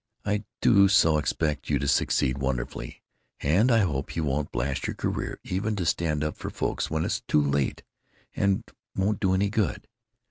I do so expect you to succeed wonderfully & I hope you won't blast your career even to stand up for folks when it's too late & won't do any good.